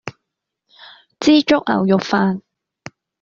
枝竹牛肉飯